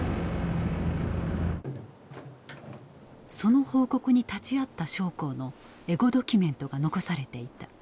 その報告に立ち会った将校のエゴドキュメントが残されていた。